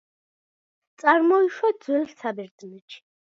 წარმოიშვა ძველ საბერძნეთში.